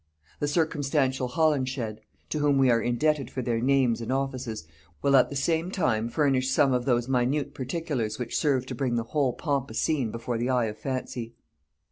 The circumstantial Holinshed, to whom we are indebted for their names and offices, will at the same time furnish some of those minute particulars which serve to bring the whole pompous scene before the eye of fancy.